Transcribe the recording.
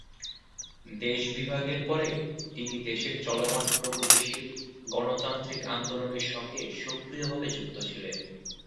দেশ বিভাগের পরে তিনি দেশের চলমান প্রগতিশীল গণতান্ত্রিক আন্দোলনের সঙ্গে সক্রিয়ভাবে যুক্ত ছিলেন।